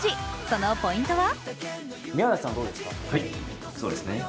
そのポイントは？